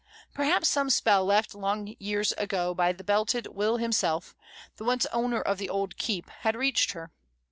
Perhaps some spell left long years ago by belted Will himself, the once owner of the old keep, had reached her.